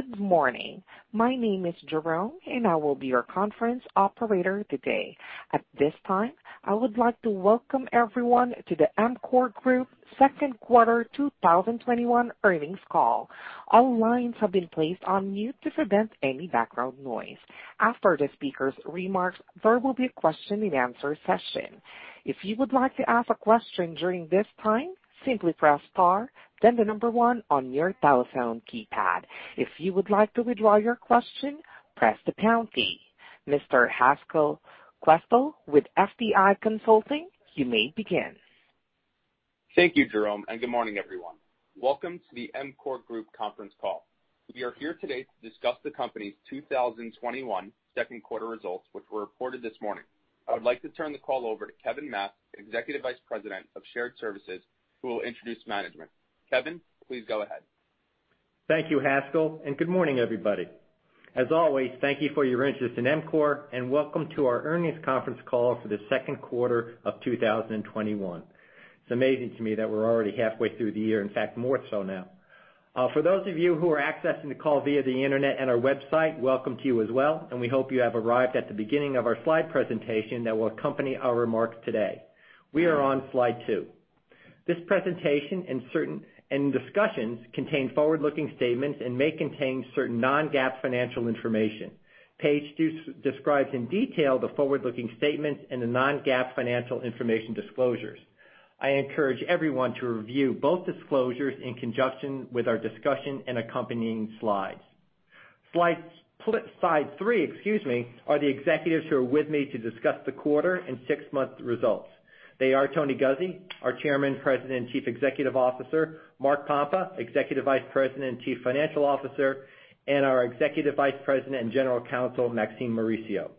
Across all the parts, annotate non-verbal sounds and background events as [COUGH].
Good morning. My name is Jerome and I will be your conference operator today. At this time, I would like to welcome everyone to the EMCOR Group second quarter 2021 earnings call. All lines have been placed on mute to prevent any background noise. After the speakers' remarks, there will be a question-and-answer session. If you would like to ask a question during this time, simply press star, then the number one on your telephone keypad. If you would like to withdraw your question, press the pound key. Mr. Haskel Kwestel with FTI Consulting, you may begin. Thank you, Jerome, and good morning, everyone. Welcome to the EMCOR Group conference call. We are here today to discuss the company's 2021 second quarter results, which were reported this morning. I would like to turn the call over to Kevin Matz, Executive Vice President of Shared Services, who will introduce management. Kevin, please go ahead. Thank you, Haskel, and good morning, everybody. As always, thank you for your interest in EMCOR, and welcome to our earnings conference call for the second quarter of 2021. It's amazing to me that we're already halfway through the year. In fact, more so now. For those of you who are accessing the call via the internet and our website, welcome to you as well, and we hope you have arrived at the beginning of our slide presentation that will accompany our remarks today. We are on slide two. This presentation and discussions contain forward-looking statements and may contain certain non-GAAP financial information. Page two describes in detail the forward-looking statements and the non-GAAP financial information disclosures. I encourage everyone to review both disclosures in conjunction with our discussion and accompanying slides. Slide three are the executives who are with me to discuss the quarter and six-month results. They are Tony Guzzi, our Chairman, President, and Chief Executive Officer, Mark Pompa, Executive Vice President and Chief Financial Officer, and our Executive Vice President and General Counsel, Maxine Mauricio.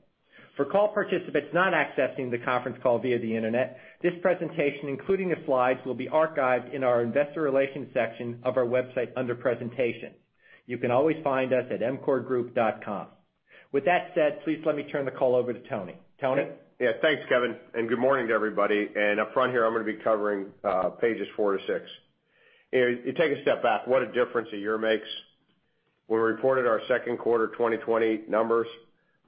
For call participants not accessing the conference call via the internet, this presentation, including the slides, will be archived in our Investor Relations section of our website under presentations. You can always find us at emcorgroup.com. With that said, please let me turn the call over to Tony. Tony? Yeah. Thanks, Kevin, good morning to everybody. Up front here, I'm going to be covering pages four to six. You take a step back, what a difference a year makes. When we reported our second quarter 2020 numbers,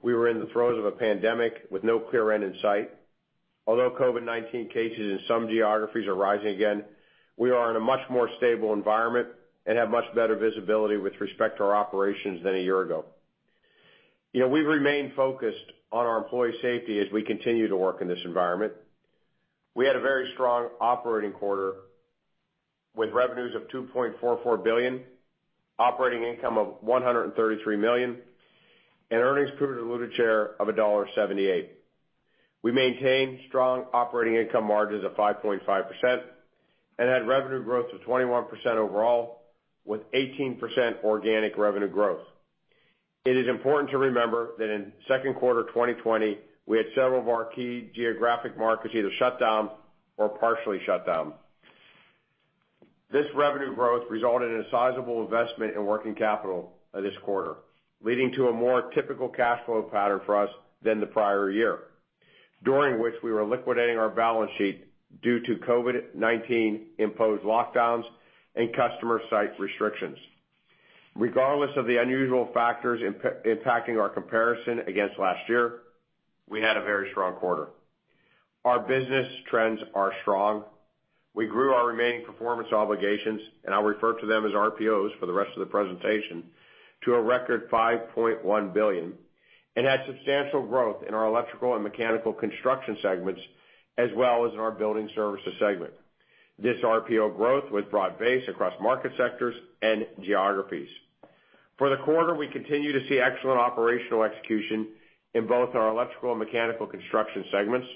we were in the throes of a pandemic with no clear end in sight. Although COVID-19 cases in some geographies are rising again, we are in a much more stable environment and have much better visibility with respect to our operations than a year ago. We remain focused on our employee safety as we continue to work in this environment. We had a very strong operating quarter with revenues of $2.44 billion, operating income of $133 million, and earnings per diluted share of $1.78. We maintained strong operating income margins of 5.5% and had revenue growth of 21% overall, with 18% organic revenue growth. It is important to remember that in the second quarter of 2020, we had several of our key geographic markets either shut down or partially shut down. This revenue growth resulted in a sizable investment in working capital this quarter, leading to a more typical cash flow pattern for us than the prior year, during which we were liquidating our balance sheet due to COVID-19 imposed lockdowns and customer site restrictions. Regardless of the unusual factors impacting our comparison against last year, we had a very strong quarter. Our business trends are strong. We grew our remaining performance obligations, and I'll refer to them as RPOs for the rest of the presentation, to a record $5.1 billion, and had substantial growth in our Electrical and Mechanical Construction segments, as well as in our Building Services segment. This RPO growth was broad-based across market sectors and geographies. For the quarter, we continue to see excellent operational execution in both our Electrical and Mechanical Construction segments.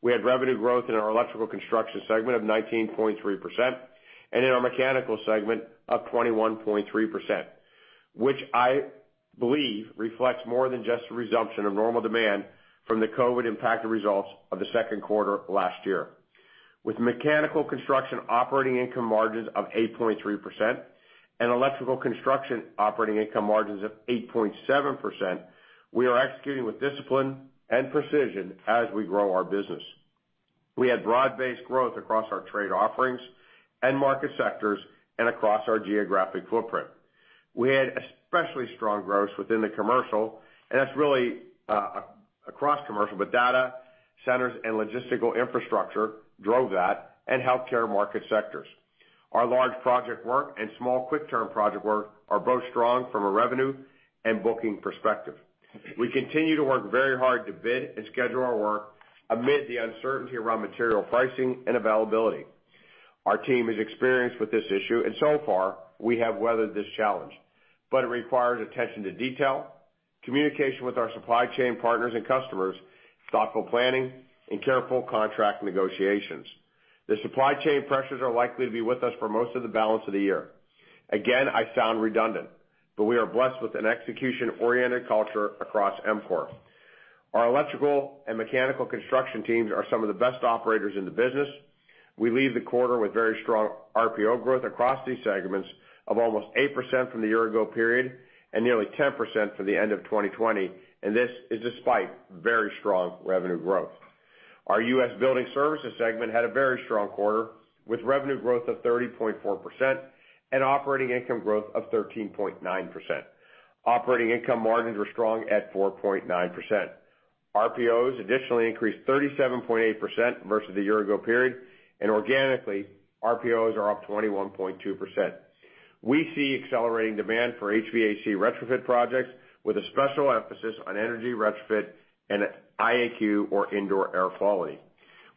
We had revenue growth in our Electrical Construction segment of 19.3%, and in our Mechanical segment up 21.3%, which I believe reflects more than just a resumption of normal demand from the COVID impacted results of the second quarter last year. With Mechanical Construction operating income margins of 8.3% and Electrical Construction operating income margins of 8.7%, we are executing with discipline and precision as we grow our business. We had broad-based growth across our trade offerings and market sectors and across our geographic footprint. We had especially strong growth within the commercial, and that's really across commercial, but data centers and logistical infrastructure drove that, and healthcare market sectors. Our large project work and small, quick-term project work are both strong from a revenue and booking perspective. We continue to work very hard to bid and schedule our work amid the uncertainty around material pricing and availability. Our team is experienced with this issue, and so far, we have weathered this challenge. It requires attention to detail, communication with our supply chain partners and customers, thoughtful planning, and careful contract negotiations. The supply chain pressures are likely to be with us for most of the balance of the year. Again, I sound redundant, but we are blessed with an execution-oriented culture across EMCOR. Our Electrical and Mechanical Construction teams are some of the best operators in the business. We leave the quarter with very strong RPO growth across these segments of almost 8% from the year-ago period and nearly 10% from the end of 2020, and this is despite very strong revenue growth. Our U.S. Building Services segment had a very strong quarter, with revenue growth of 30.4% and operating income growth of 13.9%. Operating income margins were strong at 4.9%. RPOs additionally increased 37.8% versus the year-ago period, and organically, RPOs are up 21.2%. We see accelerating demand for HVAC retrofit projects with a special emphasis on energy retrofit and IAQ or indoor air quality.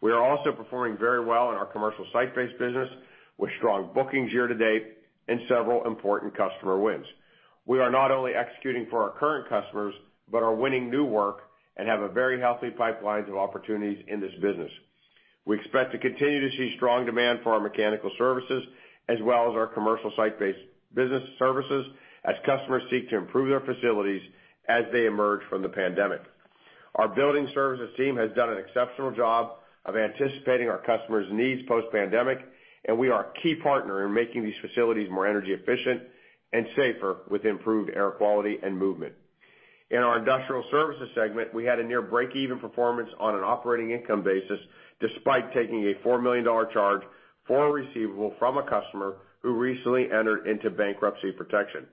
We are also performing very well in our commercial site-based business, with strong bookings year-to-date and several important customer wins. We are not only executing for our current customers but are winning new work and have a very healthy pipeline of opportunities in this business. We expect to continue to see strong demand for our mechanical services as well as our commercial site-based business services as customers seek to improve their facilities as they emerge from the pandemic. Our building services team has done an exceptional job of anticipating our customers' needs post-pandemic, and we are a key partner in making these facilities more energy efficient and safer with improved air quality and movement. In our Industrial Services segment, we had a near breakeven performance on an operating income basis, despite taking a $4 million charge for a receivable from a customer who recently entered into bankruptcy protection.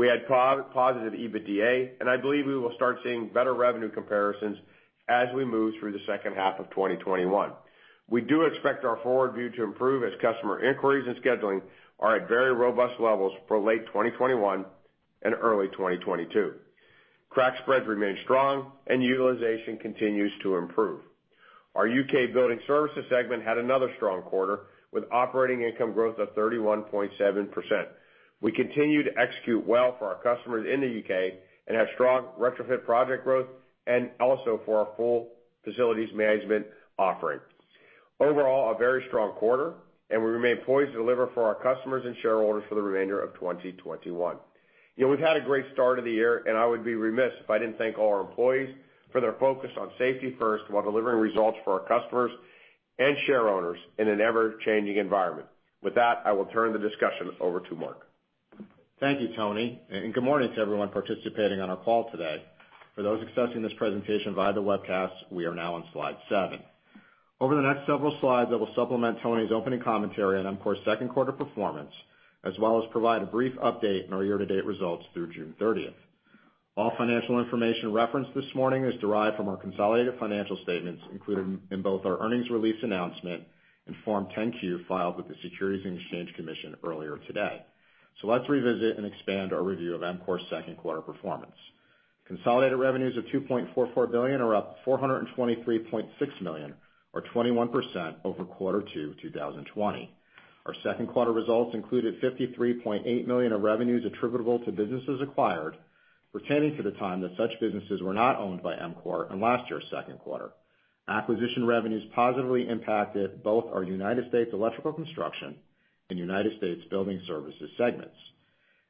I believe we will start seeing better revenue comparisons as we move through the second half of 2021. We do expect our forward view to improve as customer inquiries and scheduling are at very robust levels for late 2021 and early 2022. Crack spreads remain strong, and utilization continues to improve. Our U.K. Building Services segment had another strong quarter, with operating income growth of 31.7%. We continue to execute well for our customers in the U.K. and have strong retrofit project growth and also for our full facilities management offering. Overall, a very strong quarter, and we remain poised to deliver for our customers and shareholders for the remainder of 2021. We've had a great start of the year, and I would be remiss if I didn't thank all our employees for their focus on safety first while delivering results for our customers and shareholders in an ever-changing environment. With that, I will turn the discussion over to Mark. Thank you, Tony, and good morning to everyone participating on our call today. For those accessing this presentation via the webcast, we are now on slide seven. Over the next several slides that will supplement Tony's opening commentary on EMCOR's second quarter performance, as well as provide a brief update on our year-to-date results through June 30. All financial information referenced this morning is derived from our consolidated financial statements included in both our earnings release announcement and Form 10-Q filed with the Securities and Exchange Commission earlier today. Let's revisit and expand our review of EMCOR's second quarter performance. Consolidated revenues of $2.44 billion are up $423.6 million or 21% over quarter two 2020. Our second quarter results included $53.8 million of revenues attributable to businesses acquired, pertaining to the time that such businesses were not owned by EMCOR in last year's second quarter. Acquisition revenues positively impacted both our U.S. Electrical Construction and U.S. Building Services segments.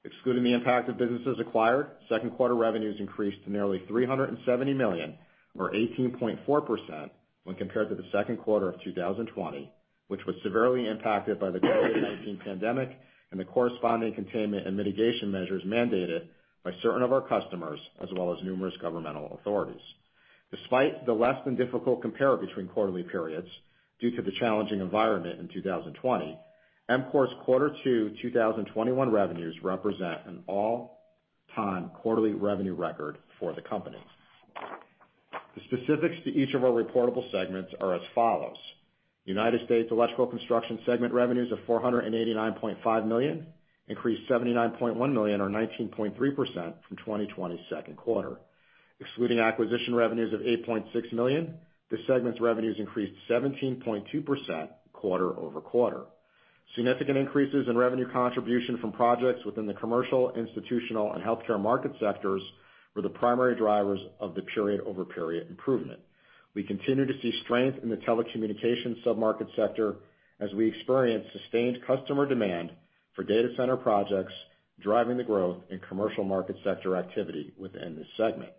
Excluding the impact of businesses acquired, second quarter revenues increased to nearly $370 million or 18.4% when compared to the second quarter of 2020, which was severely impacted by the COVID-19 pandemic and the corresponding containment and mitigation measures mandated by certain of our customers, as well as numerous governmental authorities. Despite the less than difficult compare between quarterly periods due to the challenging environment in 2020, EMCOR's Q2 2021 revenues represent an all-time quarterly revenue record for the company. The specifics to each of our reportable segments are as follows. U.S. Electrical Construction segment revenues of $489.5 million increased $79.1 million or 19.3% from 2020's second quarter. Excluding acquisition revenues of $8.6 million, this segment's revenues increased 17.2% quarter-over-quarter. Significant increases in revenue contribution from projects within the commercial, institutional, and healthcare market sectors were the primary drivers of the period-over-period improvement. We continue to see strength in the telecommunications sub-market sector as we experience sustained customer demand for data center projects, driving the growth in commercial market sector activity within this segment.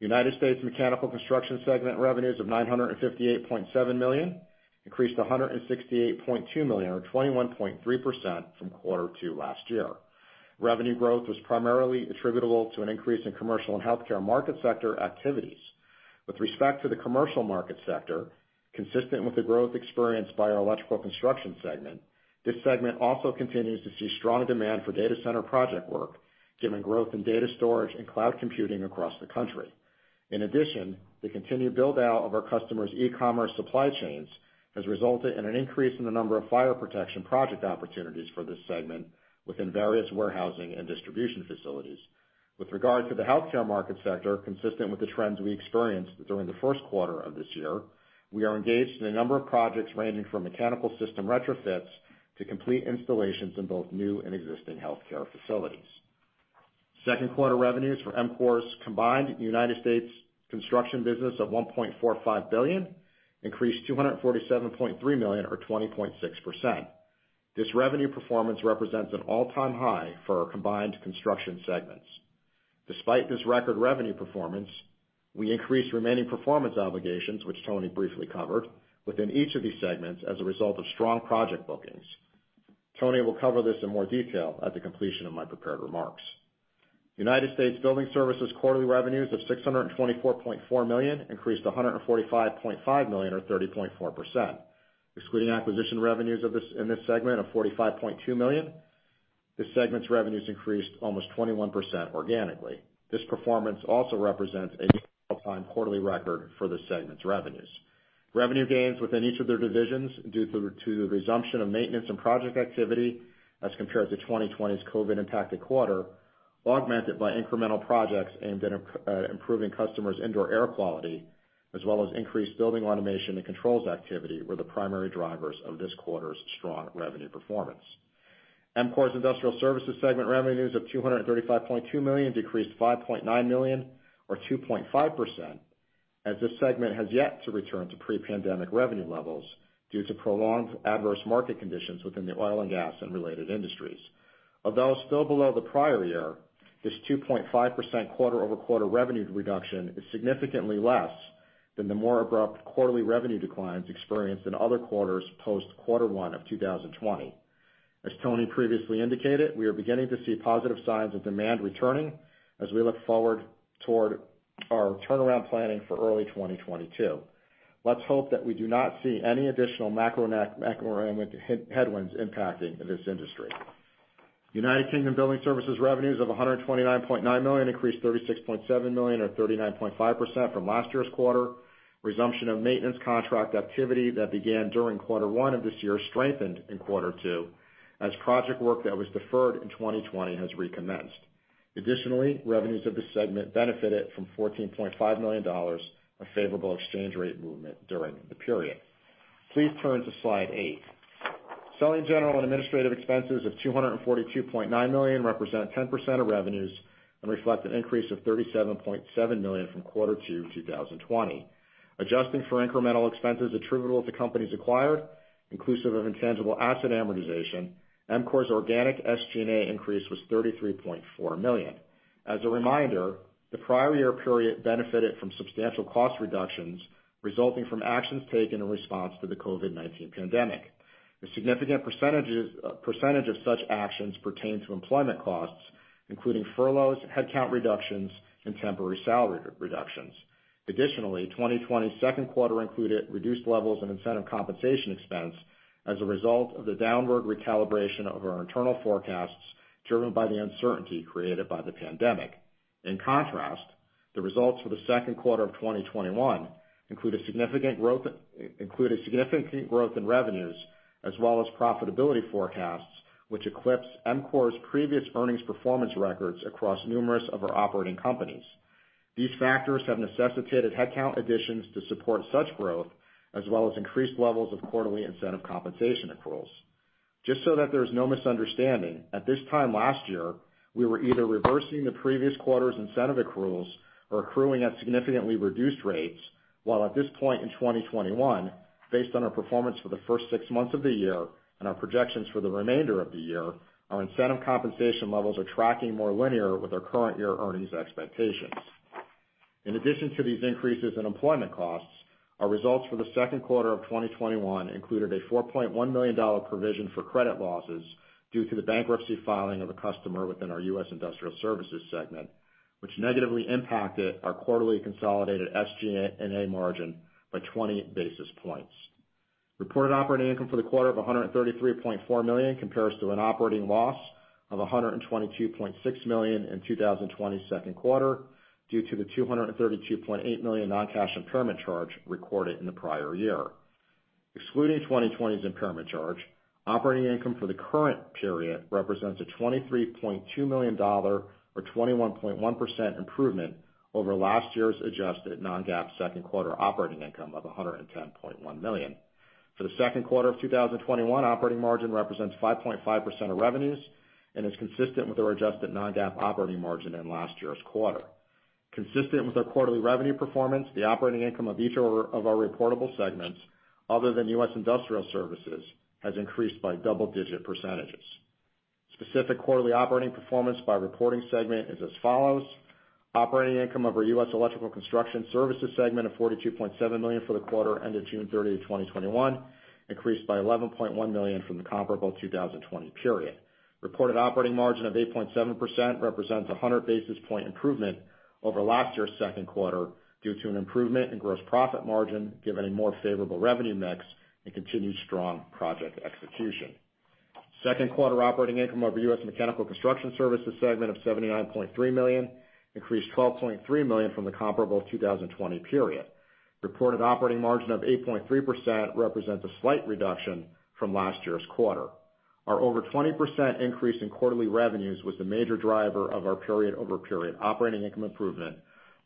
U.S. Mechanical Construction segment revenues of $958.7 million increased to $168.2 million or 21.3% from quarter two last year. Revenue growth was primarily attributable to an increase in commercial and healthcare market sector activities. With respect to the commercial market sector, consistent with the growth experienced by our Electrical Construction segment, this segment also continues to see strong demand for data center project work, given growth in data storage and cloud computing across the country. In addition, the continued build-out of our customers' e-commerce supply chains has resulted in an increase in the number of fire protection project opportunities for this segment within various warehousing and distribution facilities. With regard to the healthcare market sector, consistent with the trends we experienced during the first quarter of this year, we are engaged in a number of projects ranging from mechanical system retrofits to complete installations in both new and existing healthcare facilities. Second quarter revenues for EMCOR's combined U.S. Construction business of $1.45 billion increased $247.3 million or 20.6%. This revenue performance represents an all-time high for our combined Construction segments. Despite this record revenue performance, we increased Remaining Performance Obligations, which Tony briefly covered, within each of these segments as a result of strong project bookings. Tony will cover this in more detail at the completion of my prepared remarks. U.S. Building Services quarterly revenues of $624.4 million increased $145.5 million or 30.4%. Excluding acquisition revenues in this segment of $45.2 million, this segment's revenues increased almost 21% organically. This performance also represents an all-time quarterly record for this segment's revenues. Revenue gains within each of their divisions due to the resumption of maintenance and project activity as compared to 2020's COVID impacted quarter, augmented by incremental projects aimed at improving customers' indoor air quality, as well as increased building automation and controls activity, were the primary drivers of this quarter's strong revenue performance. EMCOR's Industrial Services segment revenues of $235.2 million decreased $5.9 million or 2.5%, as this segment has yet to return to pre-pandemic revenue levels due to prolonged adverse market conditions within the oil and gas and related industries. Although still below the prior year, this 2.5% quarter-over-quarter revenue reduction is significantly less than the more abrupt quarterly revenue declines experienced in other quarters post quarter one of 2020. As Tony previously indicated, we are beginning to see positive signs of demand returning as we look forward toward our turnaround planning for early 2022. Let's hope that we do not see any additional macroeconomic headwinds impacting this industry. United Kingdom Building Services revenues of 129.9 million increased 36.7 million or 39.5% from last year's quarter. Resumption of maintenance contract activity that began during quarter one of this year strengthened in quarter two as project work that was deferred in 2020 has recommenced. Revenues of this segment benefited from $14.5 million of favorable exchange rate movement during the period. Please turn to slide eight. Selling, general, and administrative expenses of $242.9 million represent 10% of revenues and reflect an increase of $37.7 million from quarter two 2020. Adjusting for incremental expenses attributable to companies acquired, inclusive of intangible asset amortization, EMCOR's organic SG&A increase was $33.4 million. As a reminder, the prior year period benefited from substantial cost reductions resulting from actions taken in response to the COVID-19 pandemic. A significant percentage of such actions pertain to employment costs, including furloughs, headcount reductions, and temporary salary reductions. Additionally, 2020's second quarter included reduced levels of incentive compensation expense as a result of the downward recalibration of our internal forecasts driven by the uncertainty created by the pandemic. In contrast, the results for the second quarter of 2021 include a significant growth in revenues as well as profitability forecasts, which eclipsed EMCOR's previous earnings performance records across numerous of our operating companies. These factors have necessitated headcount additions to support such growth, as well as increased levels of quarterly incentive compensation accruals. Just so that there's no misunderstanding, at this time last year, we were either reversing the previous quarter's incentive accruals or accruing at significantly reduced rates, while at this point in 2021, based on our performance for the first six months of the year and our projections for the remainder of the year, our incentive compensation levels are tracking more linear with our current year earnings expectations. In addition to these increases in employment costs, our results for the second quarter of 2021 included a $4.1 million provision for credit losses due to the bankruptcy filing of a customer within our U.S. Industrial Services segment, which negatively impacted our quarterly consolidated SG&A margin by 20 basis points. Reported operating income for the quarter of $133.4 million compares to an operating loss of $122.6 million in 2020's second quarter due to the $232.8 million non-cash impairment charge recorded in the prior year. Excluding 2020's impairment charge, operating income for the current period represents a $23.2 million or 21.1% improvement over last year's adjusted non-GAAP second quarter operating income of $110.1 million. For the second quarter of 2021, operating margin represents 5.5% of revenues and is consistent with our adjusted non-GAAP operating margin in last year's quarter. Consistent with our quarterly revenue performance, the operating income of each of our reportable segments, other than US Industrial Services, has increased by double-digit percentages. Specific quarterly operating performance by reporting segment is as follows. Operating income of our U.S. Electrical Construction Services segment of $42.7 million for the quarter ended June 30, 2021 increased by $11.1 million from the comparable 2020 period. Reported operating margin of 8.7% represents 100 basis point improvement over last year's second quarter due to an improvement in gross profit margin, given a more favorable revenue mix and continued strong project execution. Second quarter operating income of U.S. Mechanical Construction Services segment of $79.3 million increased $12.3 million from the comparable 2020 period. Reported operating margin of 8.3% represents a slight reduction from last year's quarter. Our over 20% increase in quarterly revenues was the major driver of our period-over-period operating income improvement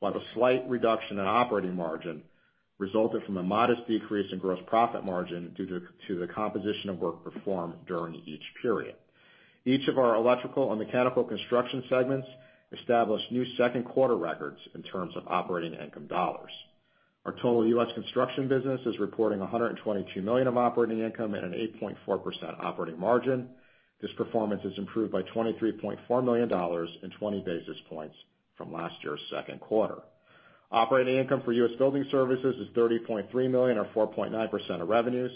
while the slight reduction in operating margin resulted from a modest decrease in gross profit margin due to the composition of work performed during each period. Each of our Electrical and Mechanical Construction segments established new second quarter records in terms of operating income dollars. Our total U.S. Construction Business is reporting $122 million of operating income at an 8.4% operating margin. This performance is improved by $23.4 million and 20 basis points from last year's second quarter. Operating income for U.S. Building Services is $30.3 million or 4.9% of revenues.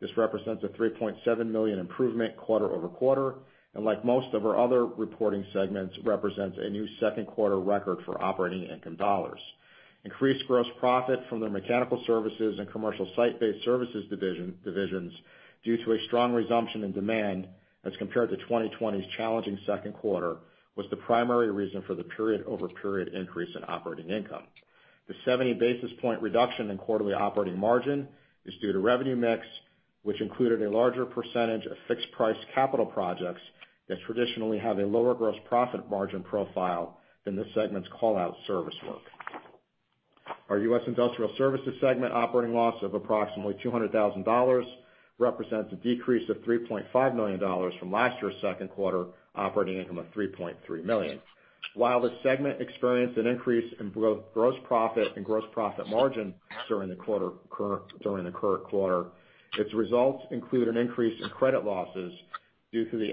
This represents a $3.7 million improvement quarter-over-quarter, and like most of our other reporting segments, represents a new second quarter record for operating income dollars. Increased gross profit from the mechanical services and commercial site-based services divisions due to a strong resumption in demand as compared to 2020's challenging second quarter was the primary reason for the period-over-period increase in operating income. The 70 basis point reduction in quarterly operating margin is due to revenue mix, which included a larger percentage of fixed-price capital projects that traditionally have a lower gross profit margin profile than the segment's call out service work. Our U.S. Industrial Services segment operating loss of approximately $200,000 represents a decrease of $3.5 million from last year's second quarter operating income of $3.3 million. While the segment experienced an increase in gross profit and gross profit margin during the current quarter, its results include an increase in credit losses due to the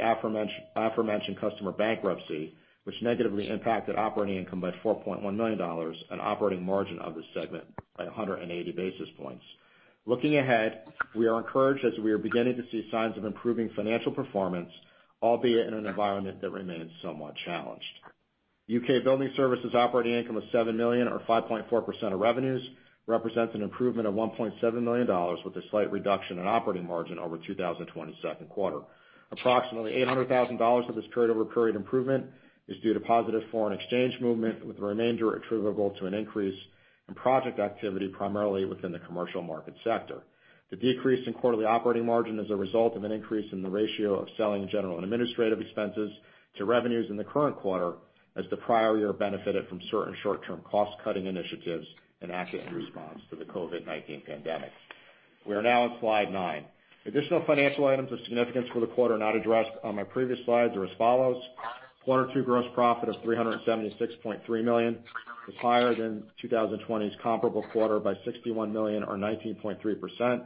aforementioned customer bankruptcy, which negatively impacted operating income by $4.1 million, an operating margin of the segment by 180 basis points. Looking ahead, we are encouraged as we are beginning to see signs of improving financial performance, albeit in an environment that remains somewhat challenged. U.K. Building Services operating income of $7 million or 5.4% of revenues represents an improvement of $1.7 million with a slight reduction in operating margin over 2020's second quarter. Approximately $800,000 of this period-over-period improvement is due to positive foreign exchange movement, with the remainder attributable to an increase in project activity primarily within the commercial market sector. The decrease in quarterly operating margin is a result of an increase in the ratio of selling general and administrative expenses to revenues in the current quarter as the prior year benefited from certain short-term cost-cutting initiatives in active response to the COVID-19 pandemic. We are now on slide nine. Additional financial items of significance for the quarter not addressed on my previous slides are as follows. Quarter two gross profit of $376.3 million was higher than 2020's comparable quarter by $61 million or 19.3%.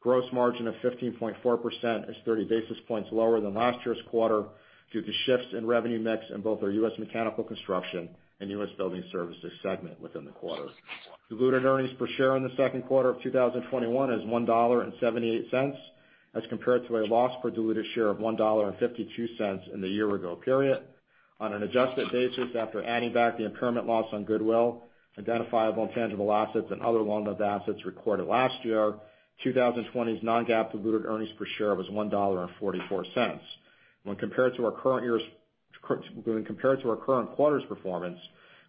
Gross margin of 15.4% is 30 basis points lower than last year's quarter due to shifts in revenue mix in both our U.S. Mechanical Construction and U.S. Building Services segment within the quarter. Diluted earnings per share in the second quarter of 2021 is $1.78 as compared to a loss per diluted share of $1.52 in the year ago period. On an adjusted basis, after adding back the impairment loss on goodwill, identifiable intangible assets and other long-lived assets recorded last year, 2020's non-GAAP diluted earnings per share was $1.44. When compared to our current quarter's performance,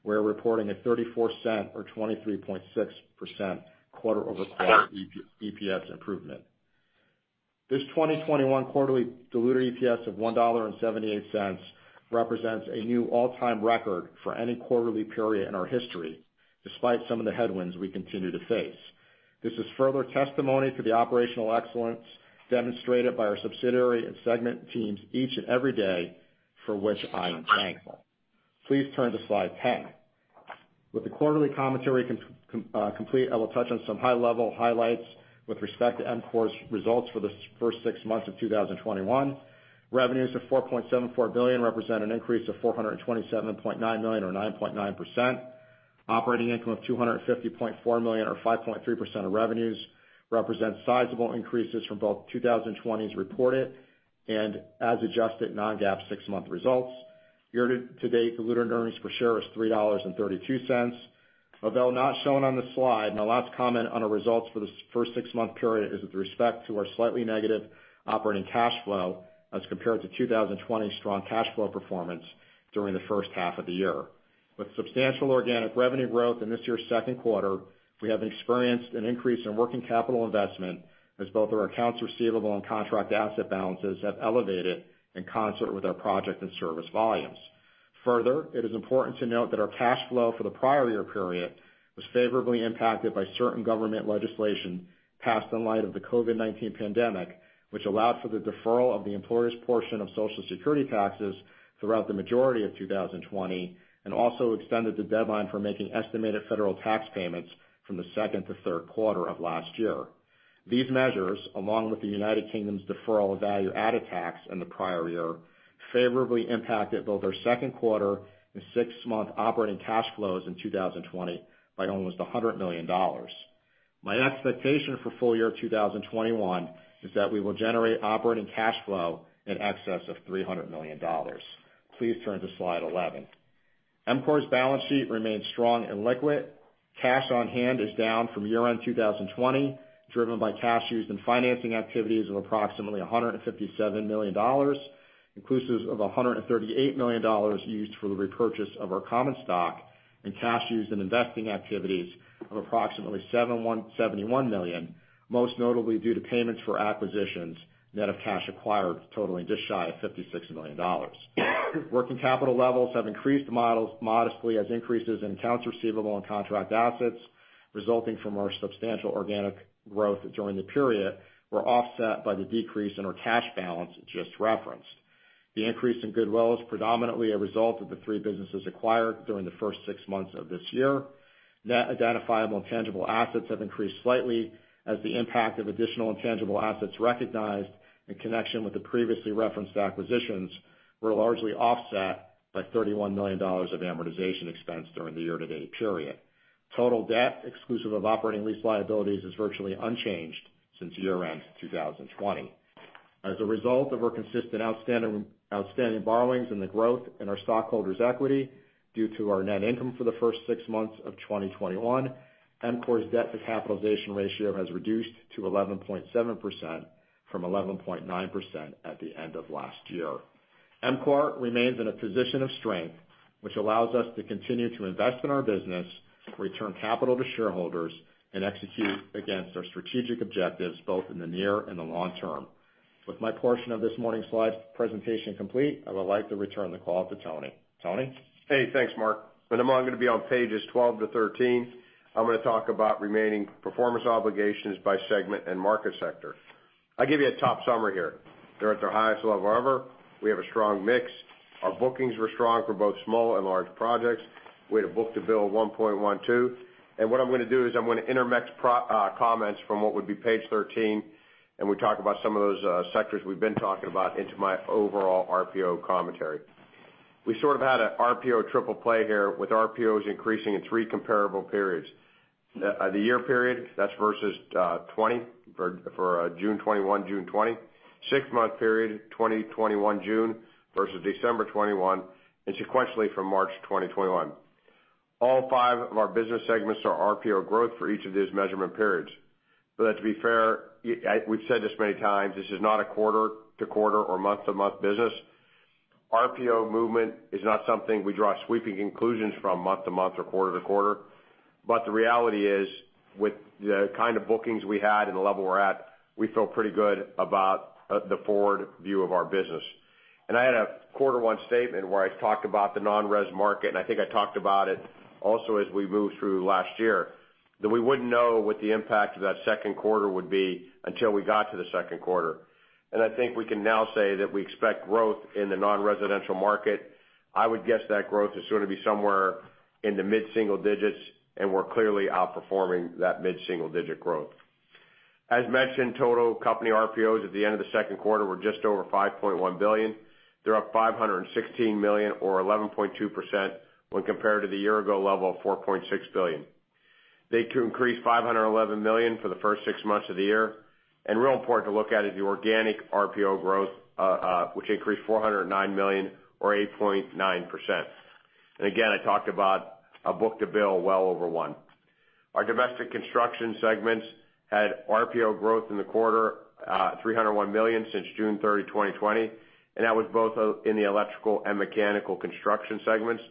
we are reporting a $0.34 or 23.6% quarter-over-quarter EPS improvement. This 2021 quarterly diluted EPS of $1.78 represents a new all-time record for any quarterly period in our history, despite some of the headwinds we continue to face. This is further testimony to the operational excellence demonstrated by our subsidiary and segment teams each and every day, for which I am thankful. Please turn to slide 10. With the quarterly commentary complete, I will touch on some high-level highlights with respect to EMCOR's results for the first six months of 2021. Revenues of $4.74 billion represent an increase of $427.9 million or 9.9%. Operating income of $250.4 million or 5.3% of revenues represents sizable increases from both 2020's reported and as adjusted non-GAAP six-month results. Year-to-date diluted earnings per share is $3.32. Although not shown on this slide, my last comment on our results for the first six-month period is with respect to our slightly negative operating cash flow as compared to 2020's strong cash flow performance during the first half of the year. With substantial organic revenue growth in this year's second quarter, we have experienced an increase in working capital investment as both our accounts receivable and contract asset balances have elevated in concert with our project and service volumes. Further, it is important to note that our cash flow for the prior year period was favorably impacted by certain government legislation passed in light of the COVID-19 pandemic, which allowed for the deferral of the employer's portion of Social Security taxes throughout the majority of 2020, and also extended the deadline for making estimated federal tax payments from the second to third quarter of last year. These measures, along with the United Kingdom's deferral of value-added tax in the prior year, favorably impacted both our second quarter and six-month operating cash flows in 2020 by almost $100 million. My expectation for full year 2021 is that we will generate operating cash flow in excess of $300 million. Please turn to slide 11. EMCOR's balance sheet remains strong and liquid. Cash on hand is down from year-end 2020, driven by cash used in financing activities of approximately $157 million, inclusive of $138 million used for the repurchase of our common stock and cash used in investing activities of approximately $71 million, most notably due to payments for acquisitions, net of cash acquired totaling just shy of $56 million. Working capital levels have increased modestly as increases in accounts receivable and contract assets resulting from our substantial organic growth during the period were offset by the decrease in our cash balance just referenced. The increase in goodwill is predominantly a result of the three businesses acquired during the first six months of this year. Net identifiable intangible assets have increased slightly as the impact of additional intangible assets recognized in connection with the previously referenced acquisitions were largely offset by $31 million of amortization expense during the year-to-date period. Total debt, exclusive of operating lease liabilities, is virtually unchanged since year-end 2020. As a result of our consistent outstanding borrowings and the growth in our stockholders' equity due to our net income for the first six months of 2021, EMCOR's debt to capitalization ratio has reduced to 11.7% from 11.9% at the end of last year. EMCOR remains in a position of strength, which allows us to continue to invest in our business, return capital to shareholders, and execute against our strategic objectives, both in the near and the long term. With my portion of this morning's slide presentation complete, I would like to return the call to Tony. Tony? Hey, thanks, Mark. I'm going to be on pages 12-13. I'm going to talk about remaining performance obligations by segment and market sector. I'll give you a top summary here. They're at their highest level ever. We have a strong mix. Our bookings were strong for both small and large projects. We had a book-to-bill of 1.12. What I'm going to do is I'm going to intermix comments from what would be page 13, and we talk about some of those sectors we've been talking about into my overall RPO commentary. We sort of had an RPO triple play here, with RPOs increasing in three comparable periods. The year period, that's versus 2020 for June 2021, June 2020. Six-month period, 2021 June versus December 2021, and sequentially from March 2021. All five of our business segments saw RPO growth for each of these measurement periods. To be fair, we've said this many times, this is not a quarter-to-quarter or month-to-month business. RPO movement is not something we draw sweeping conclusions from month to month or quarter to quarter. The reality is, with the kind of bookings we had and the level we're at, we feel pretty good about the forward view of our business. I had a Q1 statement where I talked about the non-res market, and I think I talked about it also as we moved through last year, that we wouldn't know what the impact of that second quarter would be until we got to the second quarter. I think we can now say that we expect growth in the non-residential market. I would guess that growth is going to be somewhere in the mid-single digits, and we're clearly outperforming that mid-single-digit growth. As mentioned, total company RPOs at the end of the second quarter were just over $5.1 billion. They are up $516 million or 11.2% when compared to the year-ago level of $4.6 billion. They too increased $511 million for the first six months of the year. Real important to look at is the organic RPO growth, which increased $409 million or 8.9%. Again, I talked about a book-to-bill well over 1. Our domestic construction segments had RPO growth in the quarter, $301 million since June 30, 2020, and that was both in the Electrical and Mechanical Construction segments.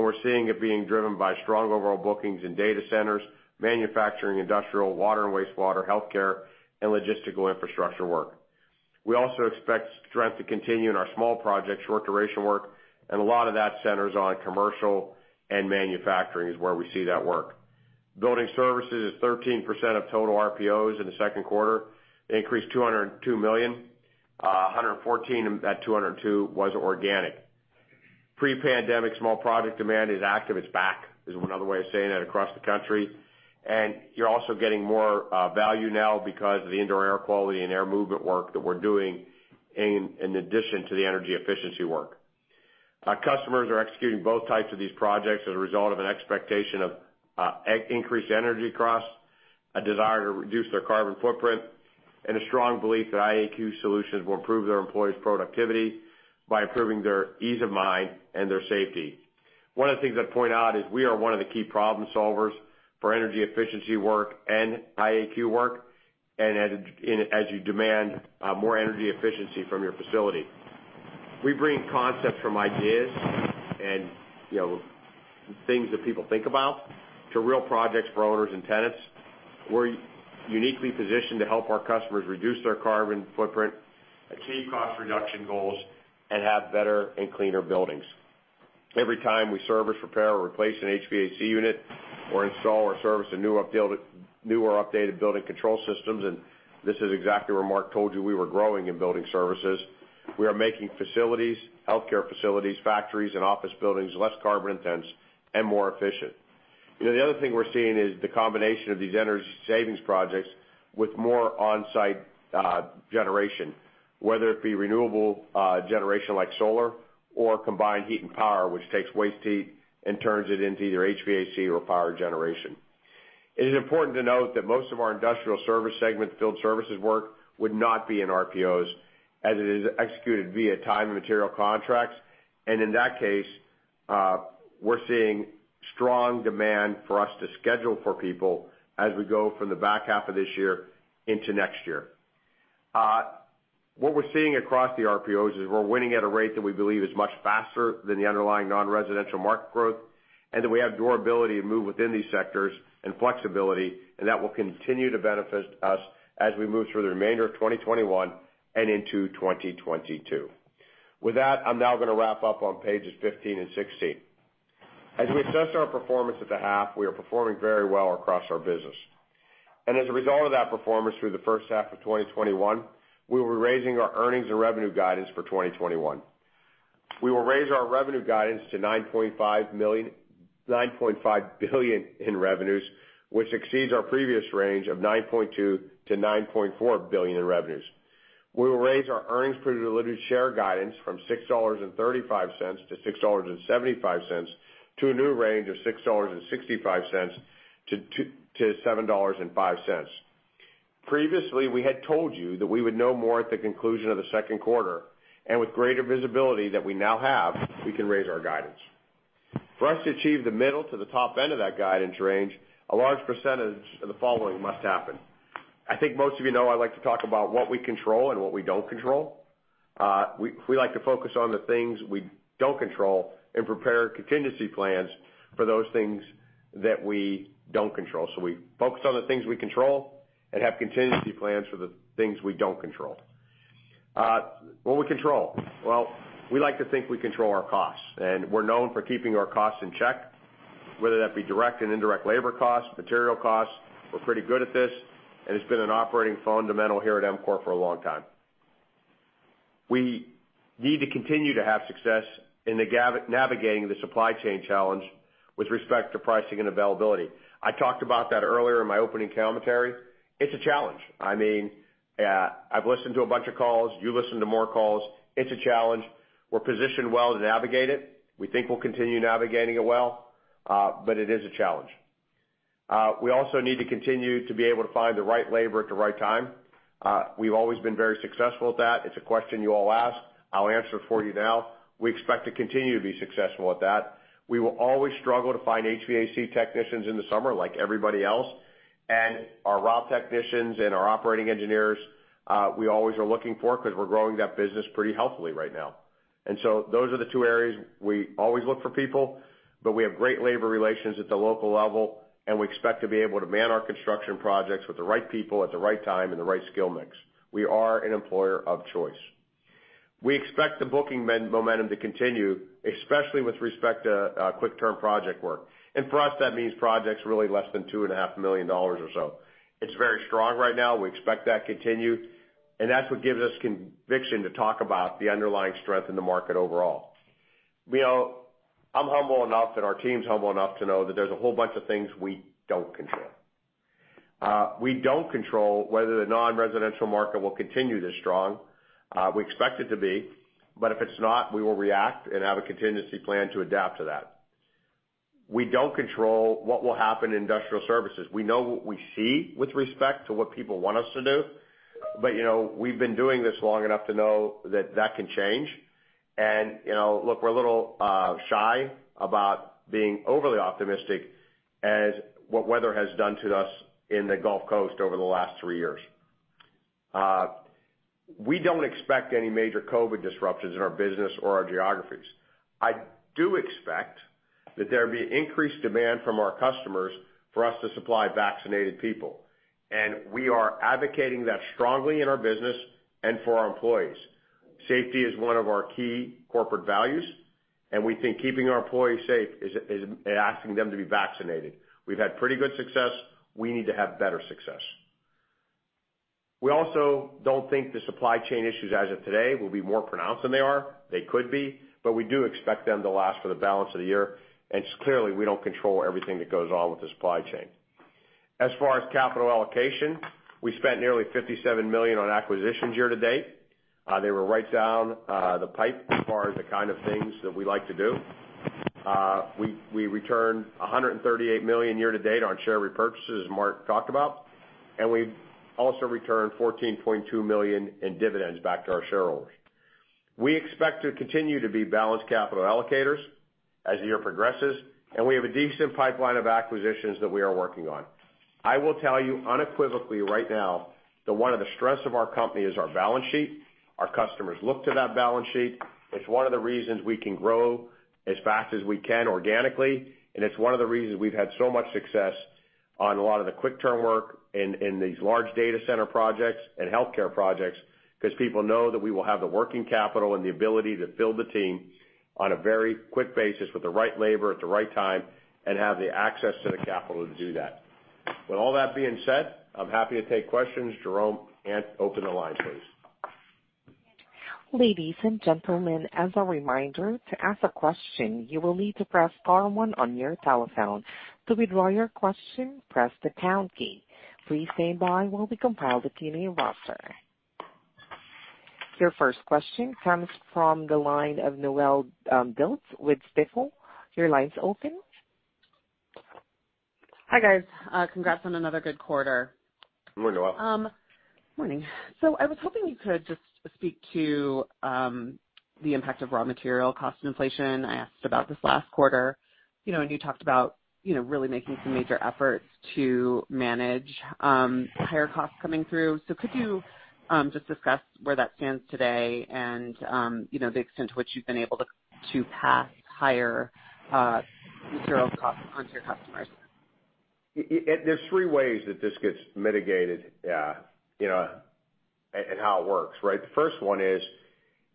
We are seeing it being driven by strong overall bookings in data centers, manufacturing, industrial, water and wastewater, healthcare, and logistical infrastructure work. We also expect strength to continue in our small project, short-duration work, and a lot of that centers on commercial and manufacturing is where we see that work. Building Services is 13% of total RPOs in the second quarter. Increased $202 million. $114 at $202 was organic. Pre-pandemic small project demand is active. It's back, is one other way of saying that across the country. You're also getting more value now because of the indoor air quality and air movement work that we're doing in addition to the energy efficiency work. Our customers are executing both types of these projects as a result of an expectation of increased energy costs, a desire to reduce their carbon footprint, and a strong belief that IAQ solutions will improve their employees' productivity by improving their ease of mind and their safety. One of the things I'd point out is we are one of the key problem solvers for energy efficiency work and IAQ work, and as you demand more energy efficiency from your facility. We bring concepts from ideas and things that people think about to real projects for owners and tenants. We're uniquely positioned to help our customers reduce their carbon footprint, achieve cost reduction goals, and have better and cleaner buildings. Every time we service, repair, or replace an HVAC unit or install or service a new or updated building control systems, and this is exactly where Mark told you we were growing in building services, we are making facilities, healthcare facilities, factories, and office buildings less carbon intense and more efficient. The other thing we're seeing is the combination of these energy savings projects with more on-site generation, whether it be renewable generation like solar or combined heat and power, which takes waste heat and turns it into either HVAC or power generation. It is important to note that most of our Industrial Service segment field services work would not be in RPOs as it is executed via time and material contracts. In that case, we're seeing strong demand for us to schedule for people as we go from the back half of this year into next year. What we're seeing across the RPOs is we're winning at a rate that we believe is much faster than the underlying non-residential market growth and that we have durability to move within these sectors and flexibility, and that will continue to benefit us as we move through the remainder of 2021 and into 2022. With that, I'm now going to wrap up on pages 15 and 16. As we assess our performance at the half, we are performing very well across our business. As a result of that performance through the first half of 2021, we will be raising our earnings and revenue guidance for 2021. We will raise our revenue guidance to $9.5 billion in revenues, which exceeds our previous range of $9.2 billion-$9.4 billion in revenues. We will raise our earnings per diluted share guidance from $6.35-$6.75 to a new range of $6.65-$7.05. Previously, we had told you that we would know more at the conclusion of the second quarter, and with greater visibility that we now have, we can raise our guidance. For us to achieve the middle to the top end of that guidance range, a large percentage of the following must happen. I think most of you know I like to talk about what we control and what we don't control. We like to focus on the things we don't control and prepare contingency plans for those things that we don't control. We focus on the things we control and have contingency plans for the things we don't control. What we control. Well, we like to think we control our costs, and we're known for keeping our costs in check, whether that be direct and indirect labor costs, material costs. We're pretty good at this, and it's been an operating fundamental here at EMCOR for a long time. We need to continue to have success in navigating the supply chain challenge with respect to pricing and availability. I talked about that earlier in my opening commentary. It's a challenge. I've listened to a bunch of calls. You listen to more calls. It's a challenge. We're positioned well to navigate it. We think we'll continue navigating it well, but it is a challenge. We also need to continue to be able to find the right labor at the right time. We've always been very successful at that. It's a question you all ask. I'll answer it for you now. We expect to continue to be successful at that. We will always struggle to find HVAC technicians in the summer like everybody else, and our [INAUDIBLE] technicians and our operating engineers, we always are looking for, because we're growing that business pretty healthily right now. Those are the two areas we always look for people, but we have great labor relations at the local level, and we expect to be able to man our construction projects with the right people at the right time and the right skill mix. We are an employer of choice. We expect the booking momentum to continue, especially with respect to quick-term project work. For us, that means projects really less than $2.5 million or so. It's very strong right now. We expect that to continue, and that's what gives us conviction to talk about the underlying strength in the market overall. I'm humble enough, and our team's humble enough to know that there's a whole bunch of things we don't control. We don't control whether the non-residential market will continue this strong. We expect it to be, but if it's not, we will react and have a contingency plan to adapt to that. We don't control what will happen in industrial services. We know what we see with respect to what people want us to do, but we've been doing this long enough to know that that can change. Look, we're a little shy about being overly optimistic as what weather has done to us in the Gulf Coast over the last three years. We don't expect any major COVID disruptions in our business or our geographies. I do expect that there be increased demand from our customers for us to supply vaccinated people, and we are advocating that strongly in our business and for our employees. Safety is one of our key corporate values, and we think keeping our employees safe is asking them to be vaccinated. We've had pretty good success. We need to have better success. We also don't think the supply chain issues as of today will be more pronounced than they are. They could be, but we do expect them to last for the balance of the year. Clearly, we don't control everything that goes on with the supply chain. As far as capital allocation, we spent nearly $57 million on acquisitions year to date. They were right down the pipe as far as the kind of things that we like to do. We returned $138 million year to date on share repurchases, as Mark talked about, and we also returned $14.2 million in dividends back to our shareholders. We expect to continue to be balanced capital allocators as the year progresses, and we have a decent pipeline of acquisitions that we are working on. I will tell you unequivocally right now that one of the strengths of our company is our balance sheet. Our customers look to that balance sheet. It's one of the reasons we can grow as fast as we can organically, and it's one of the reasons we've had so much success on a lot of the quick turn work in these large data center projects and healthcare projects, because people know that we will have the working capital and the ability to build the team on a very quick basis with the right labor at the right time and have the access to the capital to do that. With all that being said, I'm happy to take questions. Jerome, and open the line, please. Ladies and gentlemen, as a reminder, to ask a question, you will need to press star one on your telephone. To withdraw your question, press the pound key. Please stand by while we compile the Q&A roster. Your first question comes from the line of Noelle Dilts with Stifel. Your line's open. Hi, guys. Congrats on another good quarter. Morning, Noelle. Morning. I was hoping you could just speak to the impact of raw material cost inflation. I asked about this last quarter, and you talked about really making some major efforts to manage higher costs coming through. Could you just discuss where that stands today and the extent to which you've been able to pass higher material costs onto your customers? There's three ways that this gets mitigated and how it works. The first one is